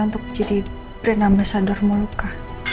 untuk jadicaren ambassadors mauluka